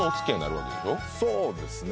そうですね